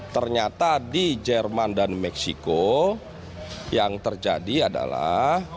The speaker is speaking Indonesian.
ternyata di jerman dan meksiko yang terjadi adalah